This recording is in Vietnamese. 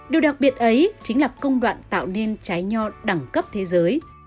điều đặc biệt ấy chính là công đoạn tạo nên trái nho đẳng cấp thế giới